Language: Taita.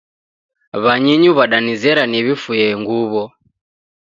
W'anyinyu w'adanizera niw'ifuye nguw'o